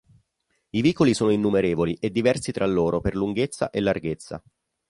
I vicoli sono innumerevoli e diversi tra loro per lunghezza e larghezza.